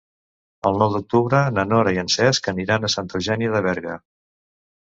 El nou d'octubre na Nora i en Cesc aniran a Santa Eugènia de Berga.